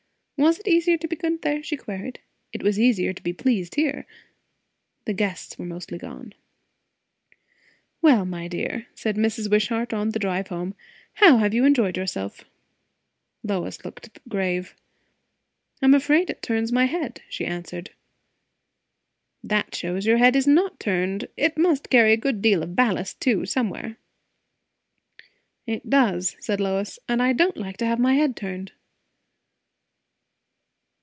Was it easier to be good there? she queried. It was easier to be pleased here. The guests were mostly gone. "Well, my dear," said Mrs. Wishart on the drive home, "how have you enjoyed yourself?" Lois looked grave. "I am afraid it turns my head," she answered. "That shows your head is not turned. It must carry a good deal of ballast too, somewhere." "It does," said Lois. "And I don't like to have my head turned."